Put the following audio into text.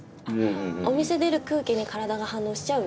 お店出る空気に体が反応しちゃうみたいな？